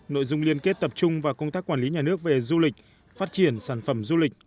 nội dung liên kết tập trung vào công tác quản lý nhà nước về du lịch phát triển sản phẩm du lịch